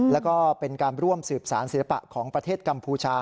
แล้วก็เป็นการร่วมสืบสารศิลปะของประเทศกัมพูชา